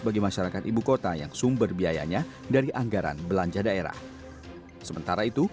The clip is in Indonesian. bantuan mereka sudah mutamad